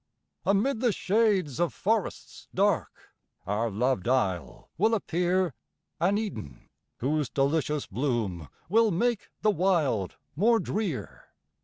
Amid the shades of forests dark, Our loved isle will appear An Eden, whose delicious bloom Will make the wild more drear.